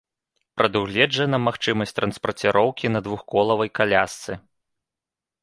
Прадугледжана магчымасць транспарціроўкі на двухколавай калясцы.